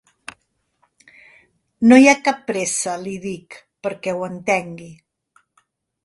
No hi ha cap pressa —li dic, perquè ho entengui.